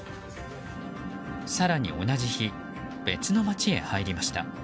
更に同じ日、別の街へ入りました。